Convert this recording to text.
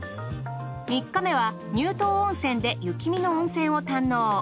３日目は乳頭温泉で雪見の温泉を堪能。